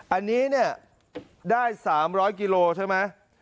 อันนี้เนี่ยได้๓๐๐กิโลใช่ไหม